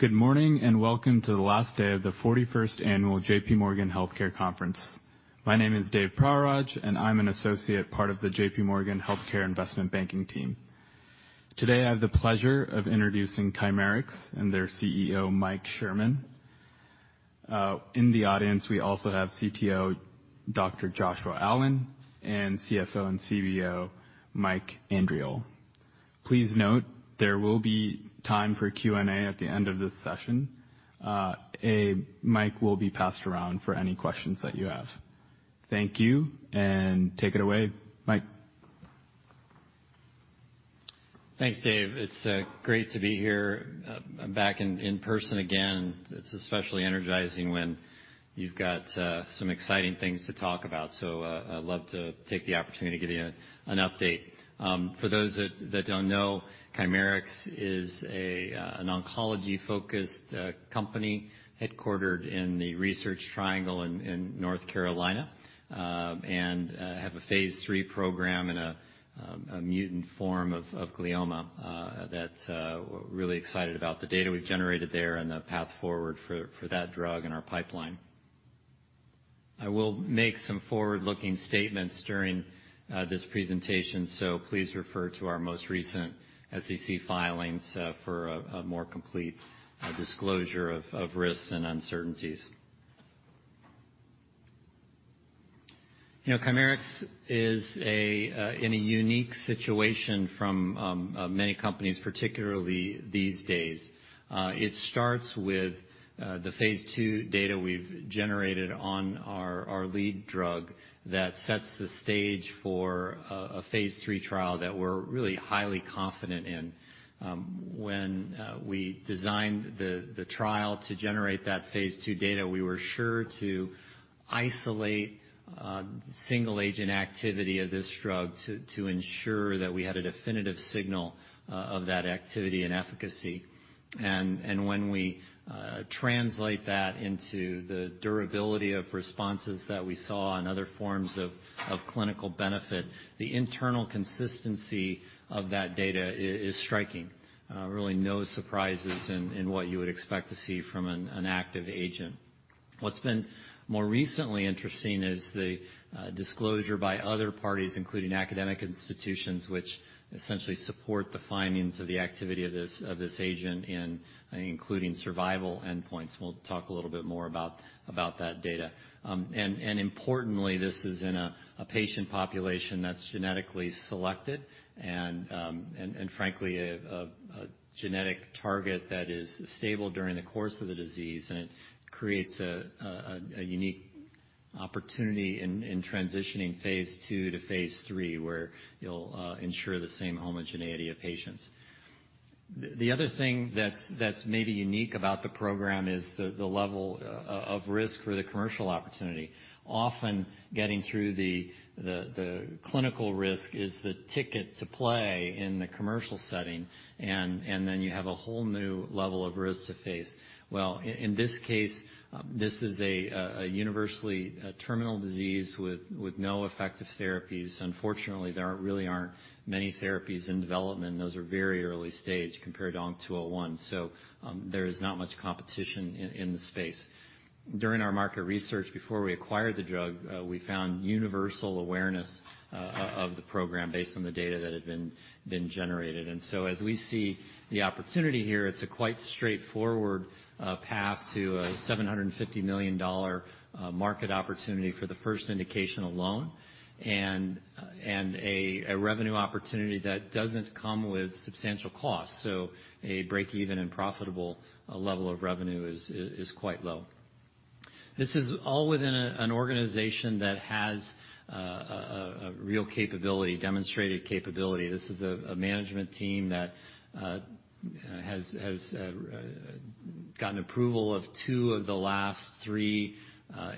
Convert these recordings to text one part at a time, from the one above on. Good morning, welcome to the last day of the 41st annual JPMorgan Healthcare Conference.My name is Dave Prawraj, I'm an associate, part of the JPMorgan Healthcare investment banking team. Today, I have the pleasure of introducing Chimerix and their CEO, Mike Sherman. In the audience, we also have CTO, Dr. Joshua Allen, and CFO and CBO, Mike Andriole. Please note, there will be time for Q&A at the end of this session. A mic will be passed around for any questions that you have. Thank you, take it away, Mike. Thanks, Arvind. It's great to be here back in person again. It's especially energizing when you've got some exciting things to talk about. I'd love to take the opportunity to give you an update. For those that don't know, Chimerix is an oncology-focused company headquartered in the Research Triangle in North Carolina and have a phase 3 program in a mutant form of glioma that we're really excited about the data we've generated there and the path forward for that drug in our pipeline. I will make some forward-looking statements during this presentation. Please refer to our most recent SEC filings for a more complete disclosure of risks and uncertainties. You know, Chimerix is in a unique situation from many companies, particularly these days. It starts with the phase 2 data we've generated on our lead drug that sets the stage for a phase 3 trial that we're really highly confident in. When we designed the trial to generate that phase 2 data, we were sure to isolate single agent activity of this drug to ensure that we had a definitive signal of that activity and efficacy. When we translate that into the durability of responses that we saw on other forms of clinical benefit, the internal consistency of that data is striking. Really no surprises in what you would expect to see from an active agent. What's been more recently interesting is the disclosure by other parties, including academic institutions, which essentially support the findings of the activity of this agent in including survival endpoints. We'll talk a little bit more about that data. Importantly, this is in a patient population that's genetically selected and frankly, a genetic target that is stable during the course of the disease, and it creates a unique opportunity in transitioning phase 2 to phase 3, where you'll ensure the same homogeneity of patients. The other thing that's maybe unique about the program is the level of risk for the commercial opportunity. Often getting through the clinical risk is the ticket to play in the commercial setting, and then you have a whole new level of risks to face. In this case, this is a universally terminal disease with no effective therapies. Unfortunately, there aren't many therapies in development. Those are very early stage compared to ONC201. There is not much competition in the space. During our market research, before we acquired the drug, we found universal awareness of the program based on the data that had been generated. As we see the opportunity here, it's a quite straightforward path to a $750 million market opportunity for the first indication alone, and a revenue opportunity that doesn't come with substantial costs. A break-even and profitable level of revenue is quite low. This is all within an organization that has a real capability, demonstrated capability. This is a management team that has gotten approval of 2 of the last 3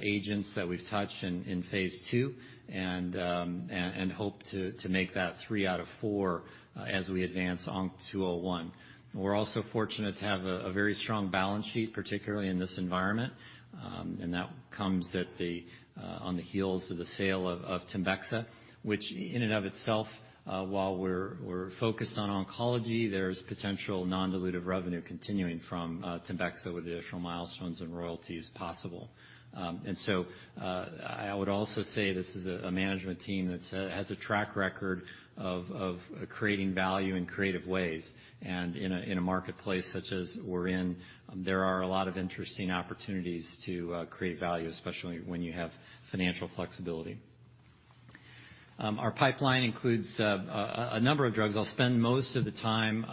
agents that we've touched in phase 2 and hope to make that 3 out of 4 as we advance ONC201. We're also fortunate to have a very strong balance sheet, particularly in this environment, and that comes on the heels of the sale of TEMBEXA, which in and of itself, while we're focused on oncology, there's potential non-dilutive revenue continuing from TEMBEXA with additional milestones and royalties possible. I would also say this is a management team that's has a track record of creating value in creative ways. In a marketplace such as we're in, there are a lot of interesting opportunities to create value, especially when you have financial flexibility. Our pipeline includes a number of drugs. I'll spend most of the time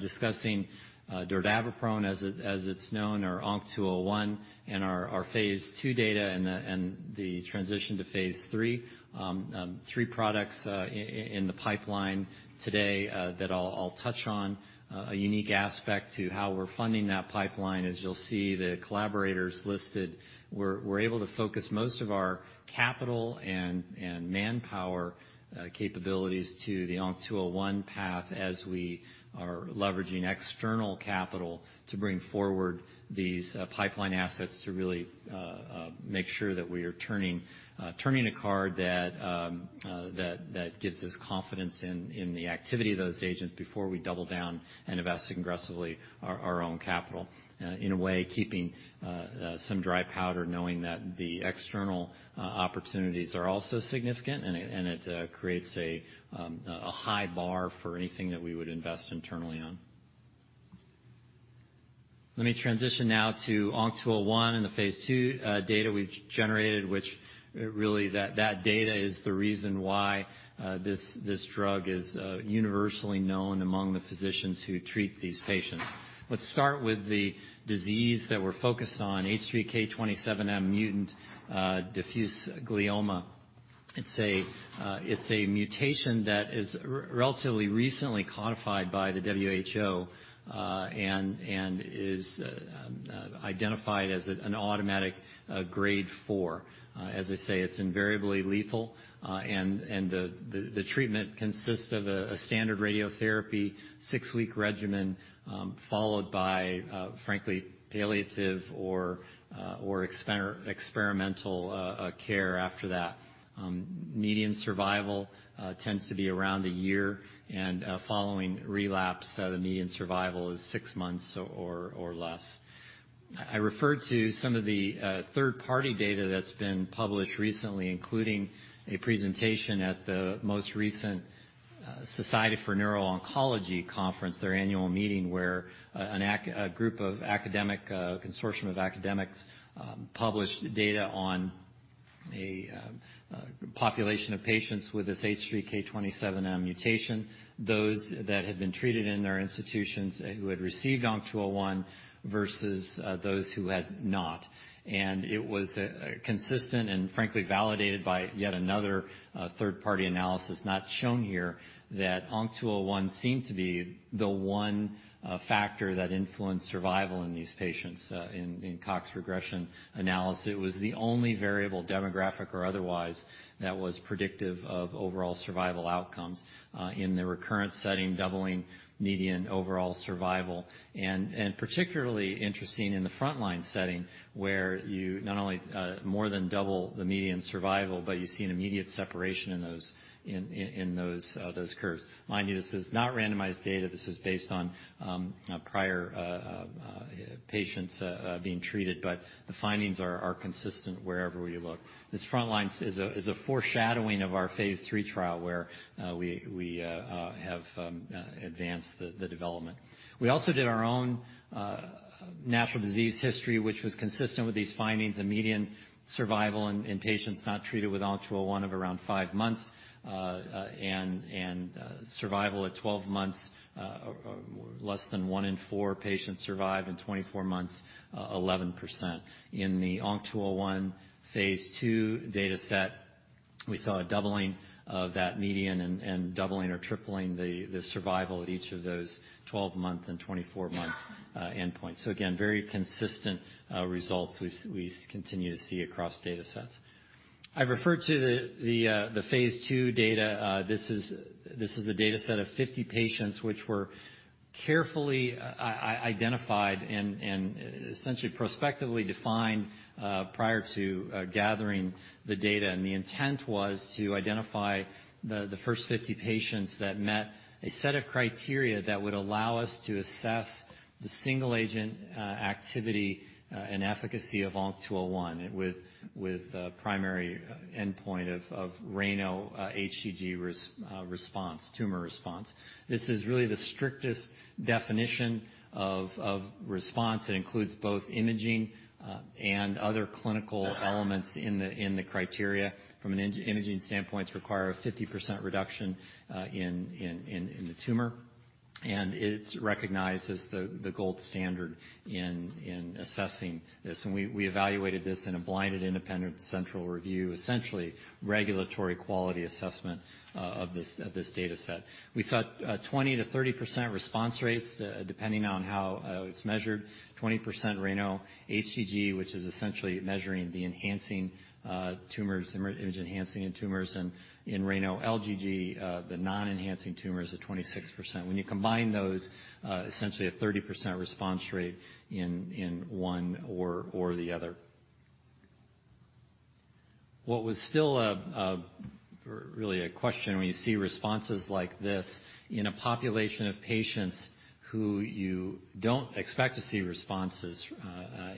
discussing dordaviprone as it's known, or ONC201 and our phase 2 data and the transition to phase 3. Three products in the pipeline today that I'll touch on. A unique aspect to how we're funding that pipeline, as you'll see the collaborators listed, we're able to focus most of our capital and manpower capabilities to the ONC-201 path as we are leveraging external capital to bring forward these pipeline assets to really make sure that we are turning a card that gives us confidence in the activity of those agents before we double down and invest aggressively our own capital. in a way, keeping some dry powder knowing that the external opportunities are also significant and it, and it creates a high bar for anything that we would invest internally on. Let me transition now to ONC201 and the phase II data we've generated, which really that data is the reason why this drug is universally known among the physicians who treat these patients. Let's start with the disease that we're focused on H3K27M mutant diffuse glioma. It's a, it's a mutation that is relatively recently codified by the WHO, and is identified as an automatic grade four. As I say, it's invariably lethal, and the treatment consists of a standard radiotherapy 6-week regimen, followed by frankly palliative or experimental care after that. Median survival tends to be around 1 year, following relapse, the median survival is 6 months or less. I refer to some of the third-party data that's been published recently, including a presentation at the most recent Society for Neuro-Oncology conference, their annual meeting, where a consortium of academics published data on a population of patients with this H3K27M mutation, those that had been treated in their institutions, who had received ONC201 versus those who had not. It was consistent and frankly validated by yet another third-party analysis not shown here that ONC201 seemed to be the one factor that influenced survival in these patients in Cox regression analysis. It was the only variable, demographic or otherwise, that was predictive of overall survival outcomes in the recurrent setting, doubling median overall survival. Particularly interesting in the frontline setting, where you not only more than double the median survival, but you see an immediate separation in those in those curves. Mind you, this is not randomized data. This is based on prior patients being treated, but the findings are consistent wherever we look. This frontline is a foreshadowing of our phase 3 trial where we have advanced the development. We also did our own natural disease history, which was consistent with these findings, a median survival in patients not treated with ONC201 of around 5 months, and survival at 12 months, or less than 1 in 4 patients survive in 24 months, 11%. In the ONC201 phase II data set, we saw a doubling of that median and doubling or tripling the survival at each of those 12-month and 24-month endpoints. Again, very consistent results we continue to see across data sets. I referred to the phase II data. This is the data set of 50 patients which were carefully identified and essentially prospectively defined prior to gathering the data. The intent was to identify the first 50 patients that met a set of criteria that would allow us to assess the single-agent activity and efficacy of ONC201 with a primary endpoint of RANO-HGG response, tumor response. This is really the strictest definition of response. It includes both imaging and other clinical elements in the criteria. From an imaging standpoint, it requires a 50% reduction in the tumor, and it's recognized as the gold standard in assessing this. We evaluated this in a blinded independent central review, essentially regulatory quality assessment of this data set. We saw 20%-30% response rates, depending on how it's measured. 20% RANO-HGG, which is essentially measuring the enhancing tumors, image-enhancing in tumors, and in RANO-LGG, the non-enhancing tumors at 26%. When you combine those, essentially a 30% response rate in one or the other. What was still a or really a question when you see responses like this in a population of patients who you don't expect to see responses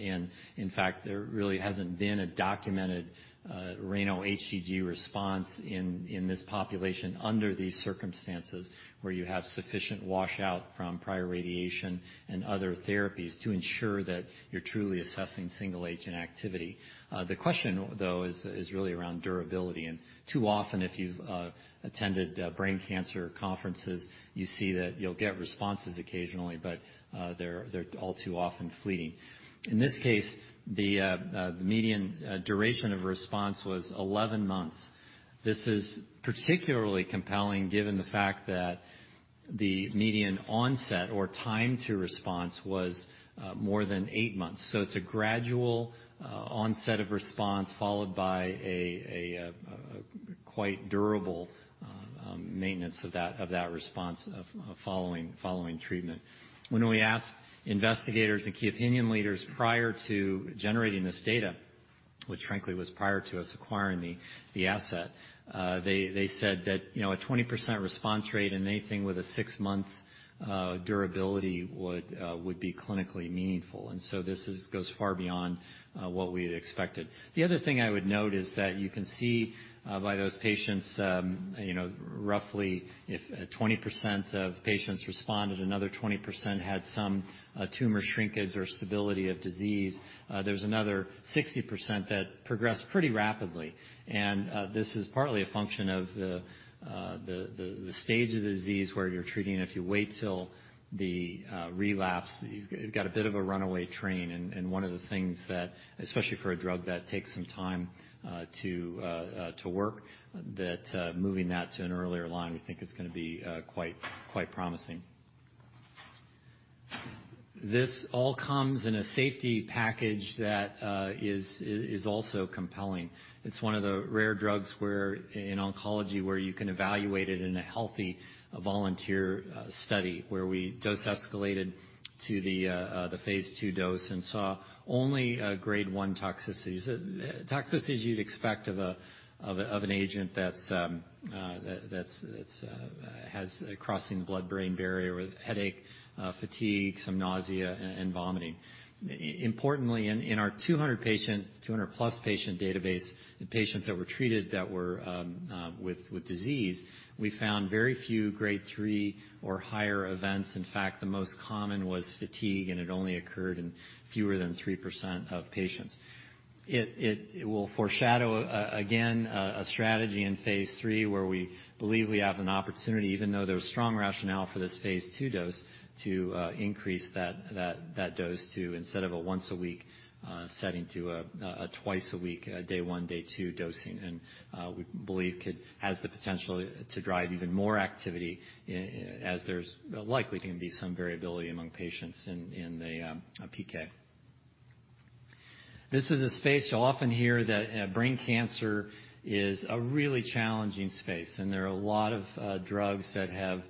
in. In fact, there really hasn't been a documented RANO-HGG response in this population under these circumstances where you have sufficient washout from prior radiation and other therapies to ensure that you're truly assessing single-agent activity. The question though is really around durability. Too often, if you've attended brain cancer conferences, you see that you'll get responses occasionally, but they're all too often fleeting. In this case, the median duration of response was 11 months. This is particularly compelling given the fact that the median onset or time to response was more than 8 months. It's a gradual onset of response followed by a quite durable maintenance of that, of that response of following treatment. When we asked investigators and Key Opinion Leaders prior to generating this data. Which frankly was prior to us acquiring the asset. They said that, you know, a 20% response rate and anything with a 6 months durability would be clinically meaningful. This goes far beyond what we had expected. The other thing I would note is that you can see, by those patients, you know, roughly if 20% of patients responded, another 20% had some tumor shrinkage or stability of disease. There was another 60% that progressed pretty rapidly. This is partly a function of the stage of the disease where you're treating. If you wait till the relapse, you've got a bit of a runaway train. One of the things that, especially for a drug that takes some time to work, that moving that to an earlier line, we think is gonna be quite promising. This all comes in a safety package that is also compelling. It's one of the rare drugs where in oncology, where you can evaluate it in a healthy volunteer study, where we dose escalated to the phase 2 dose and saw only grade 1 toxicities. Toxicities you'd expect of an agent that's has crossing the blood-brain barrier with headache, fatigue, some nausea, and vomiting. Importantly, in our 200 patient, 200 plus patient database, the patients that were treated that were with disease, we found very few grade 3 or higher events. In fact, the most common was fatigue, and it only occurred in fewer than 3% of patients. It will foreshadow again a strategy in phase 3 where we believe we have an opportunity, even though there's strong rationale for this phase 2 dose to increase that dose to instead of a once a week setting to a twice a week, day 1, day 2 dosing, and we believe could has the potential to drive even more activity as there's likely gonna be some variability among patients in the PK. This is a space you'll often hear that brain cancer is a really challenging space, and there are a lot of drugs that have,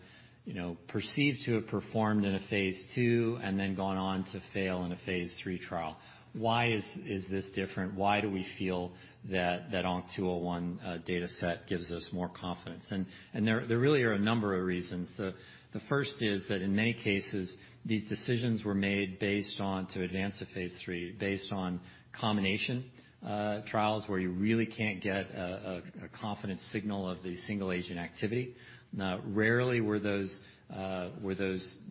you know, perceived to have performed in a phase 2 and then gone on to fail in a phase 3 trial. Why is this different? Why do we feel that ONC201 data set gives us more confidence? There really are a number of reasons. The first is that in many cases, these decisions were made based on to advance to phase 3, based on combination trials where you really can't get a confident signal of the single agent activity. Now, rarely were those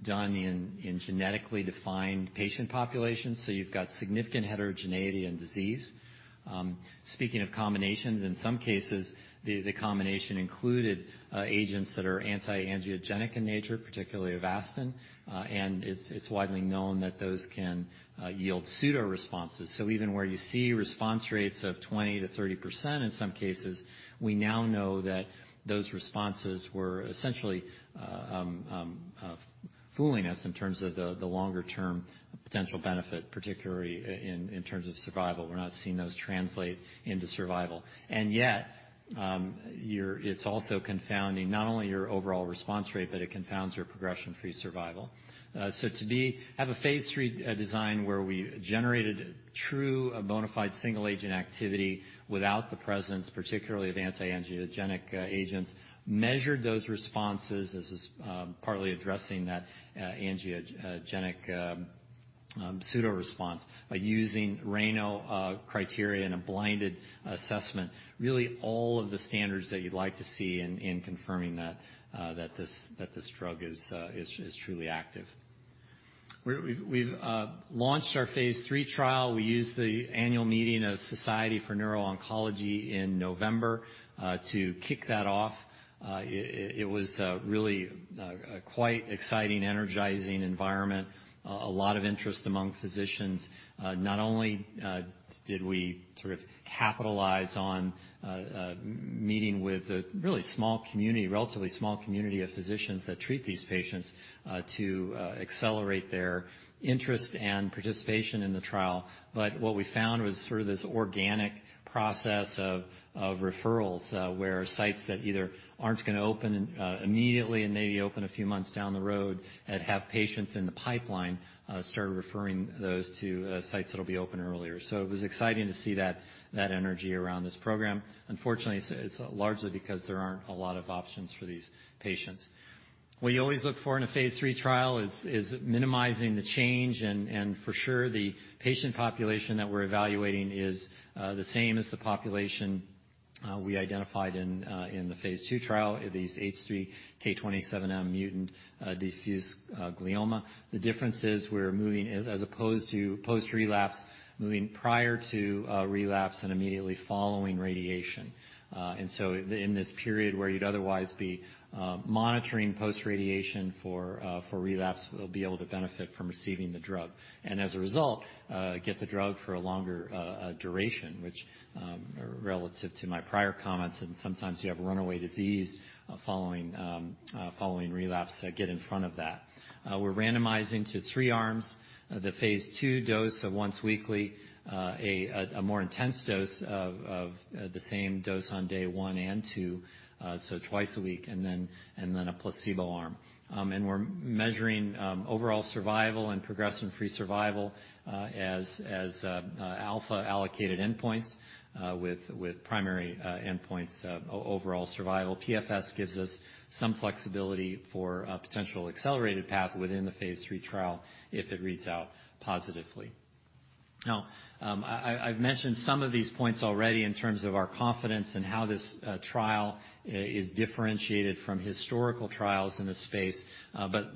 done in genetically defined patient populations. You've got significant heterogeneity and disease. Speaking of combinations, in some cases, the combination included agents that are anti-angiogenic in nature, particularly Avastin, and it's widely known that those can yield pseudoresponses. Even where you see response rates of 20%-30%, in some cases, we now know that those responses were essentially fooling us in terms of the longer term potential benefit, particularly in terms of survival. We're not seeing those translate into survival. Yet, it's also confounding not only your overall response rate, but it confounds your progression-free survival. To have a phase 3 design where we generated true bona fide single agent activity without the presence, particularly of anti-angiogenic agents, measured those responses as is, partly addressing that angiogenic pseudoresponse by using RANO criteria and a blinded assessment, really all of the standards that you'd like to see in confirming that this drug is truly active. We've launched our phase 3 trial. We use the annual meeting of Society for Neuro-Oncology in November to kick that off. It was really a quite exciting, energizing environment. A lot of interest among physicians. Not only did we sort of capitalize on meeting with a really small community, relatively small community of physicians that treat these patients, to accelerate their interest and participation in the trial. What we found was sort of this organic process of referrals, where sites that either aren't gonna open immediately and maybe open a few months down the road that have patients in the pipeline, start referring those to sites that'll be open earlier. It was exciting to see that energy around this program. Unfortunately, it's largely because there aren't a lot of options for these patients. What you always look for in a phase 3 trial is minimizing the change. For sure, the patient population that we're evaluating is the same as the population we identified in the phase 2 trial, these H3K27M mutant diffuse glioma. The difference is we're moving as opposed to post-relapse, moving prior to relapse and immediately following radiation. So in this period where you'd otherwise be monitoring post-radiation for relapse, we'll be able to benefit from receiving the drug. As a result, get the drug for a longer duration, which relative to my prior comments and sometimes you have runaway disease following relapse, get in front of that. We're randomizing to three arms, the phase two dose of once weekly, a more intense dose of the same dose on day one and two, so twice a week, and then a placebo arm. We're measuring overall survival and progression-free survival as alpha-allocated endpoints, with primary endpoints, overall survival. PFS gives us some flexibility for a potential accelerated path within the phase three trial if it reads out positively. Now, I've mentioned some of these points already in terms of our confidence and how this trial is differentiated from historical trials in the space, but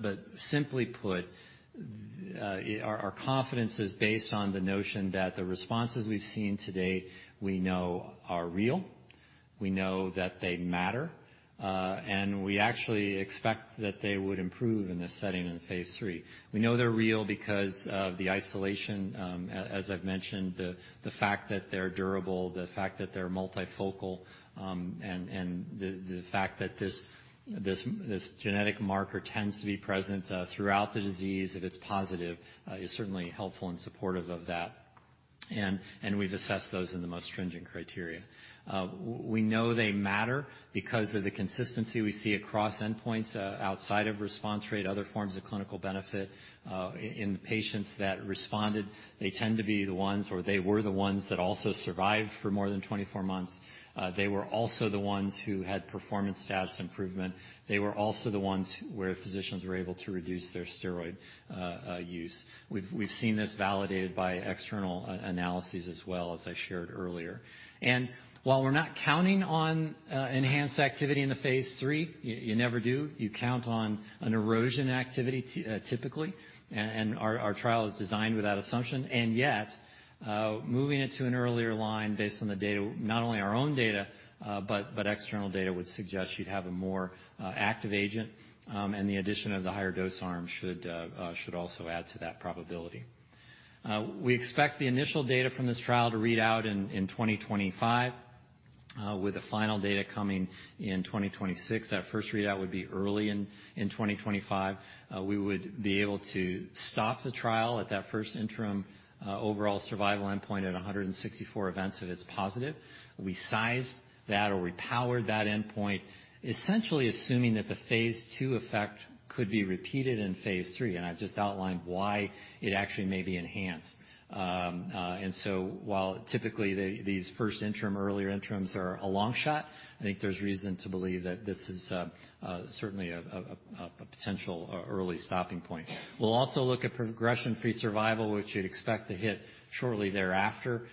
simply put, our confidence is based on the notion that the responses we've seen to date, we know are real, we know that they matter, and we actually expect that they would improve in this setting in phase 3. We know they're real because of the isolation, as I've mentioned, the fact that they're durable, the fact that they're multifocal, and the fact that this genetic marker tends to be present throughout the disease if it's positive, is certainly helpful and supportive of that. We've assessed those in the most stringent criteria. We know they matter because of the consistency we see across endpoints, outside of response rate, other forms of clinical benefit, in the patients that responded, they tend to be the ones, or they were the ones that also survived for more than 24 months. They were also the ones who had performance status improvement. They were also the ones where physicians were able to reduce their steroid use. We've seen this validated by external analyses as well, as I shared earlier. While we're not counting on enhanced activity in the phase 3, you never do, you count on an erosion activity typically, and our trial is designed with that assumption. Yet, moving it to an earlier line based on the data, not only our own data, but external data would suggest you'd have a more active agent, and the addition of the higher dose arm should also add to that probability. We expect the initial data from this trial to read out in 2025, with the final data coming in 2026. That first readout would be early in 2025. We would be able to stop the trial at that first interim overall survival endpoint at 164 events if it's positive. We sized that or we powered that endpoint essentially assuming that the phase 2 effect could be repeated in phase 3, and I've just outlined why it actually may be enhanced. While typically these first interim, earlier interims are a long shot, I think there's reason to believe that this is certainly a potential early stopping point. We'll also look at progression-free survival, which you'd expect to hit shortly thereafter,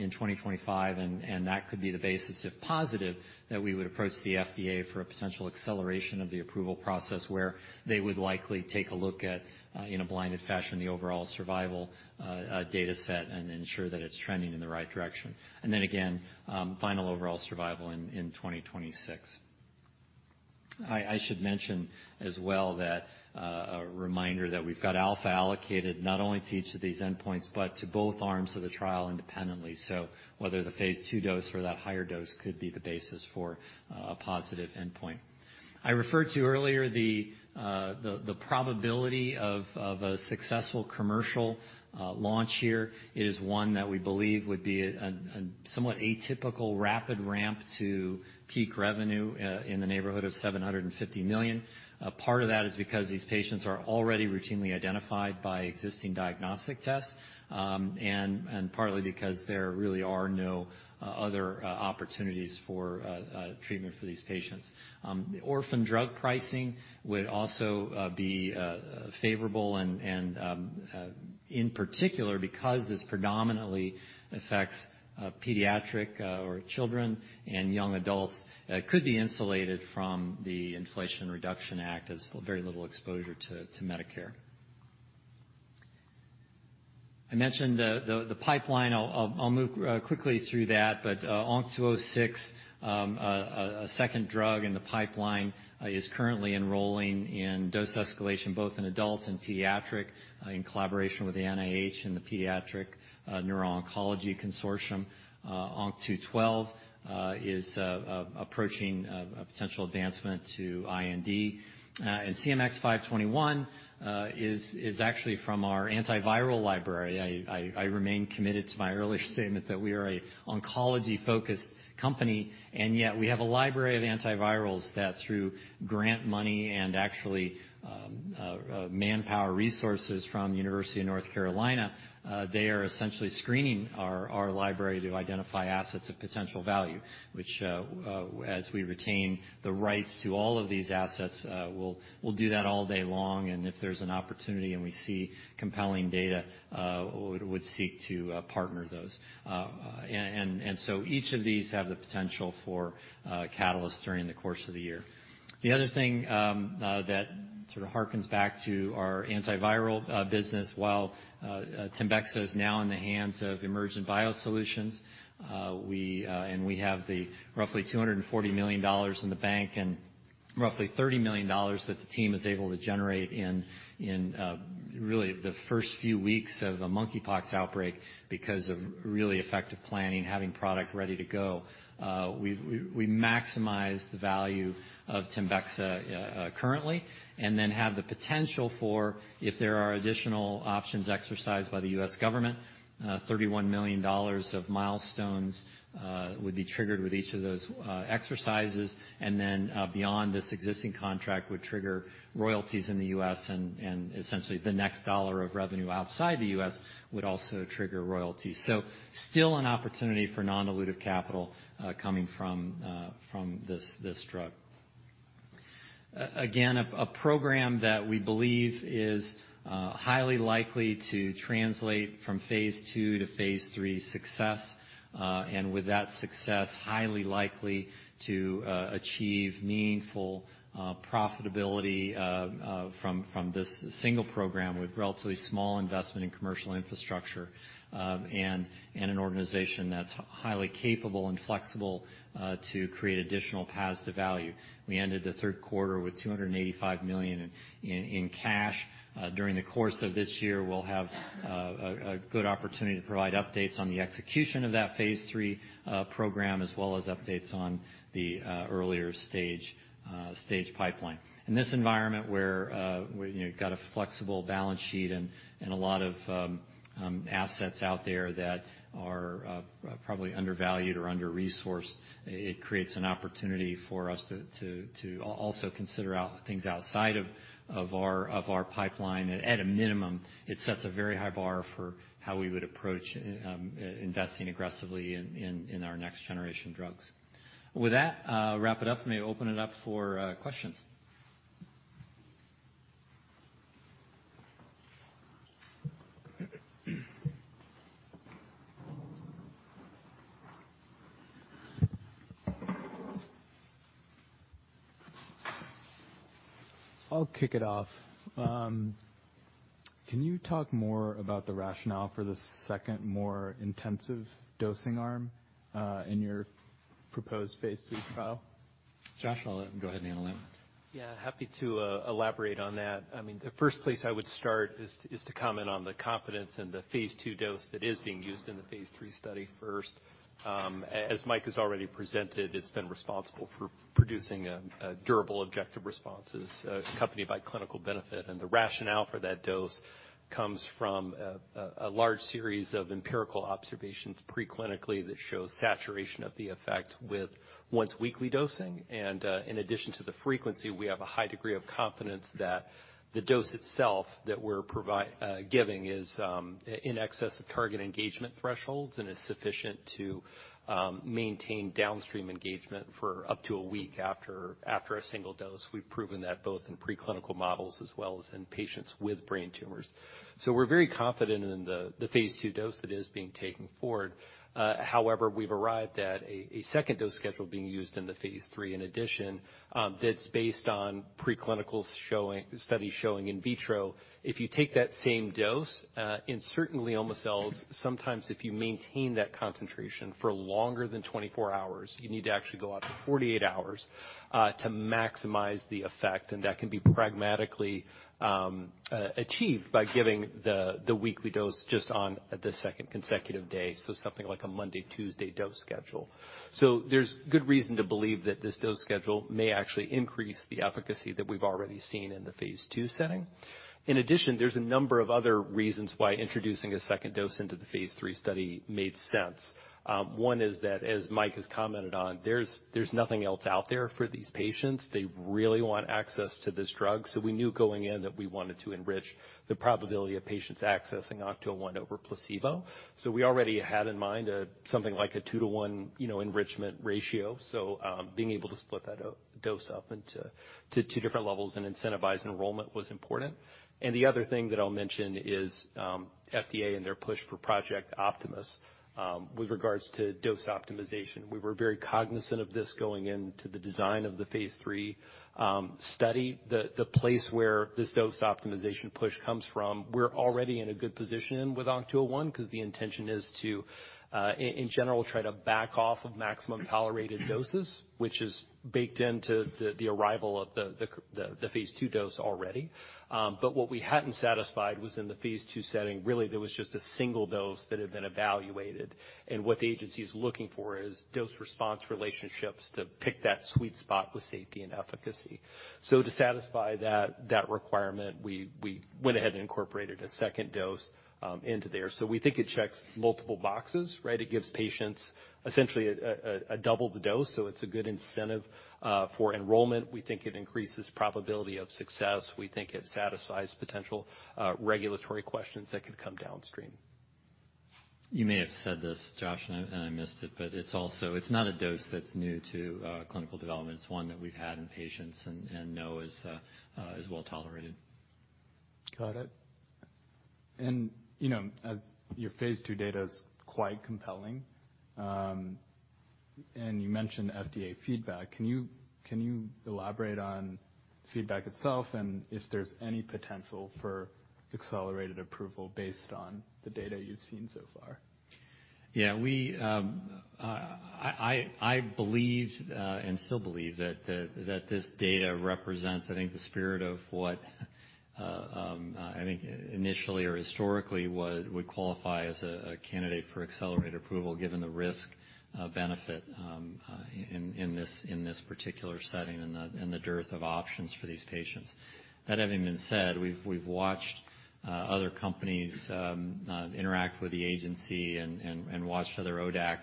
in 2025, and that could be the basis, if positive, that we would approach the FDA for a potential acceleration of the approval process where they would likely take a look at, in a blinded fashion, the overall survival data set and ensure that it's trending in the right direction. Then again, final overall survival in 2026. I should mention as well that a reminder that we've got alpha allocated not only to each of these endpoints, but to both arms of the trial independently. Whether the phase two dose or that higher dose could be the basis for a positive endpoint. I referred to earlier the probability of a successful commercial launch here is one that we believe would be a somewhat atypical rapid ramp to peak revenue in the neighborhood of $750 million. A part of that is because these patients are already routinely identified by existing diagnostic tests, and partly because there really are no other opportunities for treatment for these patients. Orphan drug pricing would also be favorable and, in particular, because this predominantly affects pediatric or children and young adults, could be insulated from the Inflation Reduction Act as very little exposure to Medicare. I mentioned the pipeline. I'll move quickly through that. ONC206, a second drug in the pipeline, is currently enrolling in dose escalation, both in adult and pediatric, in collaboration with the NIH and the Pediatric Neuro-Oncology Consortium. ONC212 is approaching a potential advancement to IND. CMX521 is actually from our antiviral library. I remain committed to my earlier statement that we are a oncology-focused company, and yet we have a library of antivirals that through grant money and actually, manpower resources from University of North Carolina, they are essentially screening our library to identify assets of potential value, which, as we retain the rights to all of these assets, we'll do that all day long, and if there's an opportunity and we see compelling data, would seek to partner those. Each of these have the potential for catalysts during the course of the year. The other thing that sort of hearkens back to our antiviral business, while TEMBEXA is now in the hands of Emergent BioSolutions, we and we have the roughly $240 million in the bank and roughly $30 million that the team is able to generate in really the first few weeks of a mpox outbreak because of really effective planning, having product ready to go. We maximize the value of TEMBEXA currently, and then have the potential for if there are additional options exercised by the U.S. government, $31 million of milestones would be triggered with each of those exercises. Beyond this existing contract would trigger royalties in the U.S. and essentially the next dollar of revenue outside the U.S. would also trigger royalties. Still an opportunity for non-dilutive capital coming from this drug. Again, a program that we believe is highly likely to translate from phase 2 to phase 3 success, and with that success, highly likely to achieve meaningful profitability from this single program with relatively small investment in commercial infrastructure, and an organization that's highly capable and flexible to create additional paths to value. We ended the third quarter with $285 million in cash. During the course of this year, we'll have a good opportunity to provide updates on the execution of that phase 3 program, as well as updates on the earlier stage pipeline. In this environment where, we, you know, got a flexible balance sheet and a lot of assets out there that are probably undervalued or under-resourced, it creates an opportunity for us to also consider things outside of our pipeline. At a minimum, it sets a very high bar for how we would approach investing aggressively in our next generation drugs. With that, I'll wrap it up and open it up for questions. I'll kick it off. Can you talk more about the rationale for the second, more intensive dosing arm in your proposed phase 3 trial? Josh, go ahead and handle that one. Yeah, happy to elaborate on that. I mean, the first place I would start is to comment on the confidence in the phase 2 dose that is being used in the phase 3 study first. As Mike has already presented, it's been responsible for producing a durable objective responses accompanied by clinical benefit. The rationale for that dose comes from a large series of empirical observations pre-clinically that show saturation of the effect with once-weekly dosing. In addition to the frequency, we have a high degree of confidence that the dose itself that we're giving is in excess of target engagement thresholds and is sufficient to maintain downstream engagement for up to a week after a single dose. We've proven that both in preclinical models as well as in patients with brain tumors. We're very confident in the phase 2 dose that is being taken forward. However, we've arrived at a second dose schedule being used in the phase 3 in addition, that's based on preclinical studies showing in vitro, if you take that same dose, in certain glioma cells, sometimes if you maintain that concentration for longer than 24 hours, you need to actually go out to 48 hours, to maximize the effect, and that can be pragmatically achieved by giving the weekly dose just on the second consecutive day, so something like a Monday, Tuesday dose schedule. There's good reason to believe that this dose schedule may actually increase the efficacy that we've already seen in the phase 2 setting. In addition, there's a number of other reasons why introducing a second dose into the phase 3 study made sense. One is that, as Mike has commented on, there's nothing else out there for these patients. They really want access to this drug. We knew going in that we wanted to enrich the probability of patients accessing ONC201 over placebo. We already had in mind, something like a 2-to-1, you know, enrichment ratio. Being able to split that dose up into 2 different levels and incentivize enrollment was important. The other thing that I'll mention is, FDA and their push for Project Optimus, with regards to dose optimization. We were very cognizant of this going into the design of the phase 3 study. The place where this dose optimization push comes from, we're already in a good position with ONC201 because the intention is to, in general, try to back off of maximum tolerated doses, which is baked into the arrival of the phase 2 dose already. What we hadn't satisfied was in the phase 2 setting, really there was just a single dose that had been evaluated, and what the agency is looking for is dose-response relationships to pick that sweet spot with safety and efficacy. To satisfy that requirement, we went ahead and incorporated a second dose into there. We think it checks multiple boxes, right? It gives patients essentially a double the dose, so it's a good incentive for enrollment. We think it increases probability of success. We think it satisfies potential, regulatory questions that could come downstream. You may have said this, Josh, and I missed it, but it's not a dose that's new to clinical development. It's one that we've had in patients and know is well tolerated. Got it. You know, as your phase 2 data is quite compelling, and you mentioned FDA feedback, can you elaborate on feedback itself and if there's any potential for accelerated approval based on the data you've seen so far? Yeah, we, I believed and still believe that this data represents, I think the spirit of what I think initially or historically would qualify as a candidate for accelerated approval given the risk benefit in this particular setting and the dearth of options for these patients. That having been said, we've watched other companies interact with the agency and watched other ODAC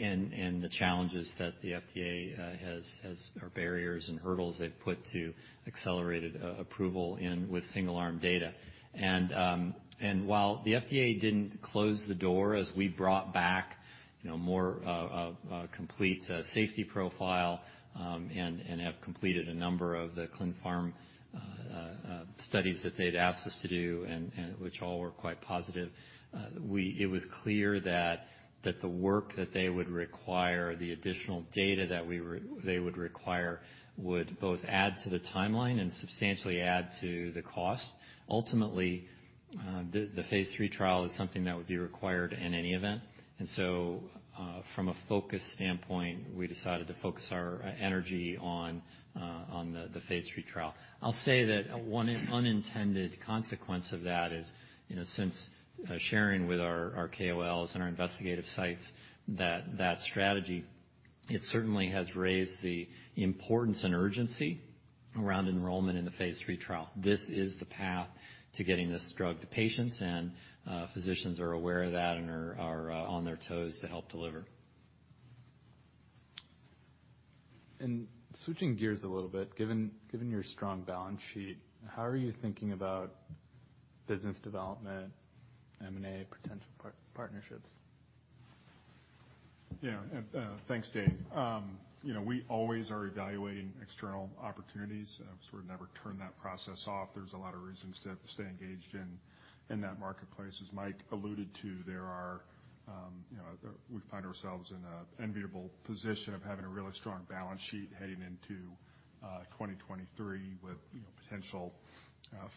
and the challenges that the FDA has or barriers and hurdles they've put to accelerated approval in with single arm data. While the FDA didn't close the door as we brought back, you know, more a complete safety profile, and have completed a number of the clinical pharmacology studies that they'd asked us to do and which all were quite positive, it was clear that the work that they would require, the additional data that they would require, would both add to the timeline and substantially add to the cost. Ultimately, the phase three trial is something that would be required in any event. From a focus standpoint, we decided to focus our energy on the phase three trial. I'll say that one unintended consequence of that is, you know, since sharing with our KOLs and our investigative sites that strategy, it certainly has raised the importance and urgency around enrollment in the phase 3 trial. This is the path to getting this drug to patients, and physicians are aware of that and are on their toes to help deliver. Switching gears a little bit. Given your strong balance sheet, how are you thinking about business development, M&A, potential part-partnerships? Yeah. Thanks, Dave. You know, we always are evaluating external opportunities, so we never turn that process off. There's a lot of reasons to stay engaged in that marketplace. As Mike alluded to, there are, you know. We find ourselves in an enviable position of having a really strong balance sheet heading into, 2023 with, you know, potential,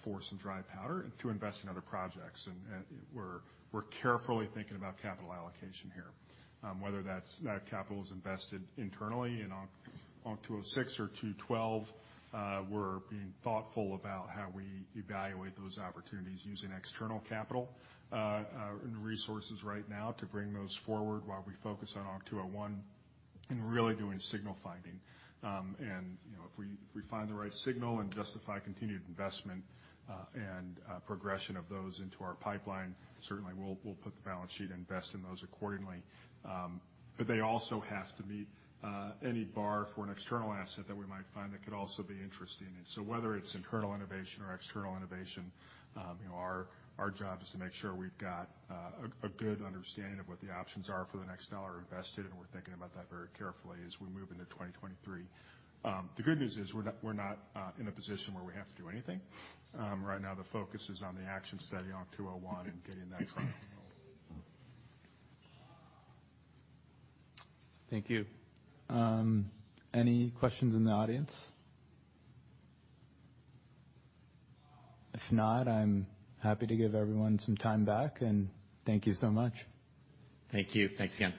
force and dry powder to invest in other projects. We're carefully thinking about capital allocation here, whether that capital is invested internally in ONC206 or ONC212. We're being thoughtful about how we evaluate those opportunities using external capital and resources right now to bring those forward while we focus on ONC201, and we're really doing signal finding. you know, if we find the right signal and justify continued investment, and progression of those into our pipeline, certainly we'll put the balance sheet and invest in those accordingly. They also have to meet any bar for an external asset that we might find that could also be interesting. Whether it's internal innovation or external innovation, you know, our job is to make sure we've got a good understanding of what the options are for the next $1 invested, and we're thinking about that very carefully as we move into 2023. The good news is we're not in a position where we have to do anything. Right now the focus is on the ACTION study ONC201 and getting that trial enrolled. Thank you. Any questions in the audience? If not, I'm happy to give everyone some time back, and thank you so much. Thank you. Thanks again.